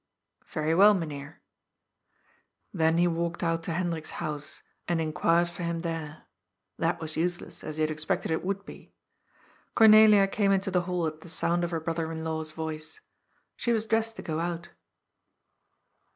" Very well, Mynheer." Then he walked out to Hendrik's house and inquired for him there. That was useless, as he had expected it would be. Cornelia came into the hall at the sound of her broth er in law's voice. She was dressed to go out.